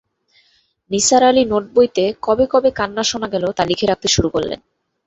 নিসার আলি নোটবইতে কবে কবে কান্না শোনা গেল তা লিখে রাখতে শুরু করলেন।